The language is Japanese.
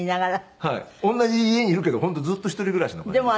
同じ家にいるけど本当ずっと一人暮らしの感じですね。